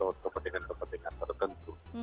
atau kepentingan kepentingan tertentu